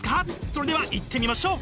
それではいってみましょう！